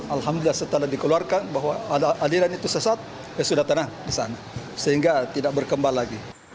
alhamdulillah setelah dikeluarkan bahwa aliran itu sesat ya sudah tanah di sana sehingga tidak berkembang lagi